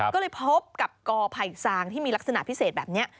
ก็เลยพบกับกอไผ่ซางที่มีลักษณะพิเศษแบบนี้